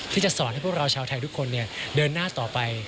ที่จะสอนให้พวกเราชาวไทยทุกคนเดินหน้าต่อไป